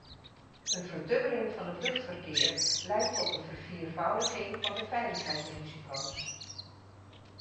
Een verdubbeling van het luchtverkeer leidt tot een verviervoudiging van de veiligheidsrisico's.